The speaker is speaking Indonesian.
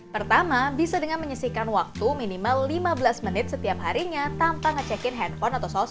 pertama bisa dengan menyisihkan waktu minimal lima belas menit setiap harinya tanpa ngecekin handphone atau social